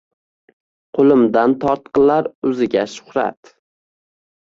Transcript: Qulimdan tortqilar uziga shuhrat